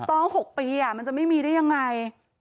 ต้อง๖ปีมันจะไม่มีได้ยังไง